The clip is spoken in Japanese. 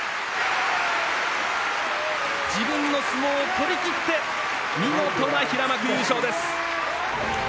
自分の相撲をとりきって見事な平幕優勝です。